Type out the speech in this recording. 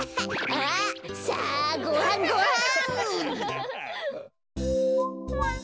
あっさあごはんごはん！